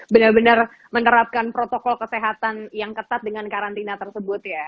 benar benar menerapkan protokol kesehatan yang ketat dengan karantina tersebut ya